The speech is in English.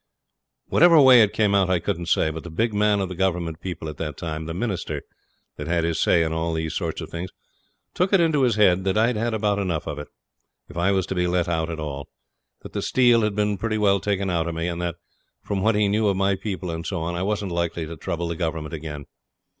Whatever way it came out I couldn't say, but the big man of the Government people at that time the Minister that had his say in all these sort of things took it into his head that I'd had about enough of it, if I was to be let out at all; that the steel had been pretty well taken out of me, and that, from what he knew of my people and so on, I wasn't likely to trouble the Government again.